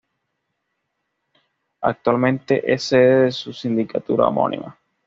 Actualmente es sede de su sindicatura homónima.